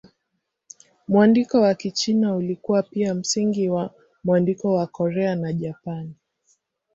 Mwandiko wa Kichina ulikuwa pia msingi wa mwandiko wa Korea na Japani.